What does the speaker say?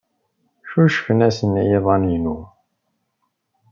Ccucufeɣ-asen i yiḍan-inu.